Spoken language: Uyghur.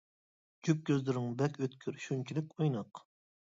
جۈپ كۆزلىرىڭ بەك ئۆتكۈر، شۇنچىلىك ئويناق.